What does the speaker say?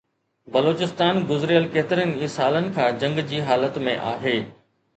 بلوچستان گذريل ڪيترن ئي سالن کان جنگ جي حالت ۾ آهي